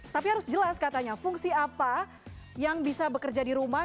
tapi harus jelas katanya fungsi apa yang bisa bekerja di rumah